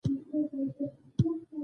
کاکا سترګې ټېغې ټېغې را وایستې.